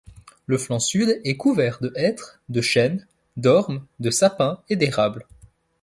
Le flanc sud est couvert de hêtres, de chênes, d'ormes, de sapins et d'érables.